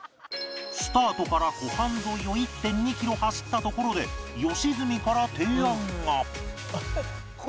スタートから湖畔沿いを １．２ キロ走ったところで良純から提案が